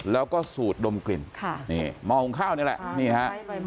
แล้วก็สูดดมกลิ่นมองข้าวนี้แหละ